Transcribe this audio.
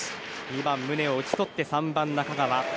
２番、宗を打ち取って３番、中川。